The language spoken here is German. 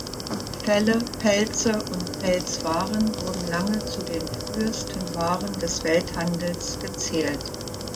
Felle, Pelze und Pelzwaren wurden lange zu den frühesten Waren des Welthandels gezählt.